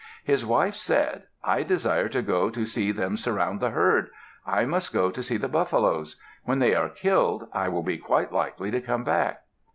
His wife said, "I desire to go to see them surround the herd. I must go to see the buffaloes. When they are killed, I will be quite likely to come back."